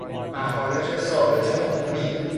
مخارج ثابت عمومی